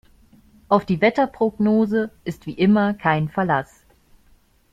Auf die Wetterprognose ist wie immer kein Verlass.